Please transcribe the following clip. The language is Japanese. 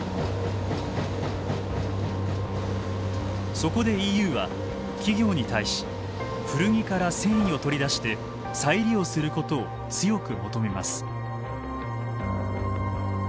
そこでＥＵは企業に対し古着から繊維を取り出して再利用することを強く求めます。